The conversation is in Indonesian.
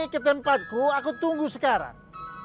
ke tempatku aku tunggu sekarang